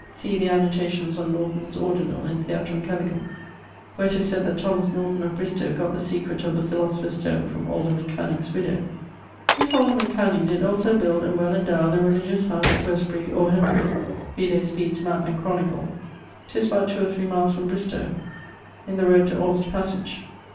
See the annotations on Norton's Ordinall in Theatrum Chemicum, where 'tis sayd that Thomas Norton of Bristow got the secret of the philosopher's stone from alderman Canning's widow. This alderman Canning did also build and well endow the religious house at Westbury or Henbury (vide Speede's mappe and chronicle); 'tis about two or three miles from Bristowe in the rode to Aust passage.